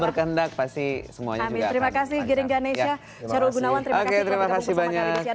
mendak pasti semuanya juga terima kasih giringganesya tarul gunawan terima kasih terima kasih banyak